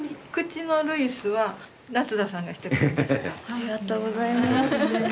ありがとうございます。